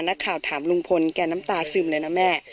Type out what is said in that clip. นักข่าวถามลุงพลแกน้ำตาซึมเลยนะแม่